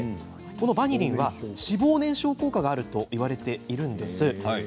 バニリンは脂肪燃焼効果があるといわれているんです。